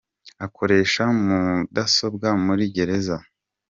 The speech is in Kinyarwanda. Akoresha mudasobwa muri Gereza